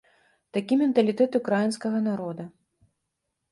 Такі менталітэт ўкраінскага народа.